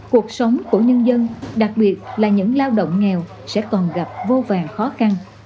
cuộc sống của nhân dân đặc biệt là những lao động nghèo sẽ còn gặp vô vàn khó khăn